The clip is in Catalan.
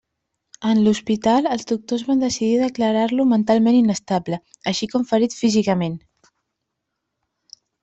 En l'hospital, els doctors van decidir declarar-lo mentalment inestable, així com ferit físicament.